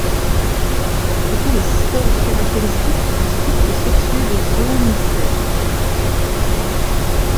Ce sont les spores caractéristiques du cycle sexué des Oomycètes.